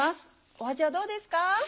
お味はどうですか？